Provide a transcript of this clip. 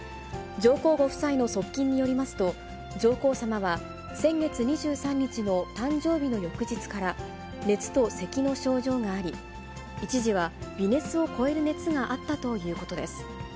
上皇ご夫妻の側近によりますと、上皇さまは先月２３日の誕生日の翌日から、熱とせきの症状があり、一時は微熱を超える熱があったということです。